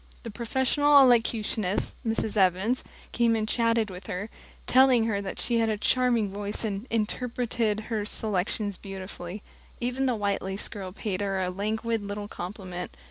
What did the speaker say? The professional elocutionist, Mrs. Evans, came and chatted with her, telling her that she had a charming voice and "interpreted" her selections beautifully. Even the white lace girl paid her a languid little compliment.